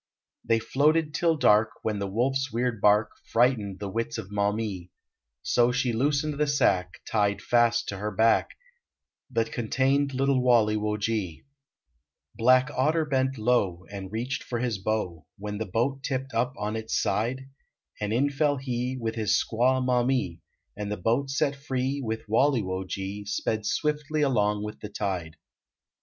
They floated till dark, When the wolfs weird bark Frightened the wits of Maumee ; So she loosened the sack, Tied fast to her back, That contained little Walle wo ge. 176 LEGEND OF THE ST. JOSEPH 177 " Black Otter " bent low And reached for his how, When the boat tipped up on its side And in fell he, with his squaw Maumee ; And the boat set free, with Walle wo ge, Sped swiftly along with the tide.